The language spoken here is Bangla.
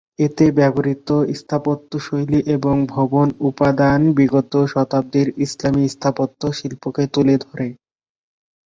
এতে ব্যবহৃত স্থাপত্য শৈলী এবং ভবন উপাদান বিগত শতাব্দীর ইসলামী স্থাপত্য শিল্পকে তুলে ধরে।